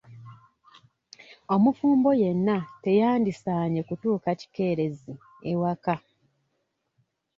Omufumbo yenna teyandisaanye kutuuka kikeerezi ewaka.